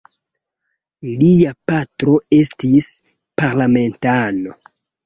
Lia patro estis parlamentano.